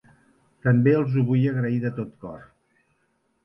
També els ho vull agrair de tot cor.